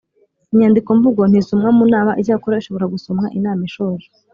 Inyandikomvugo ntisomwa mu nama icyakora ishobora gusomwa inam ishoje